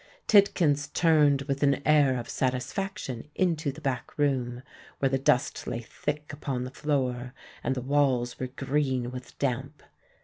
Tidkins turned with an air of satisfaction into the back room, where the dust lay thick upon the floor, and the walls were green with damp.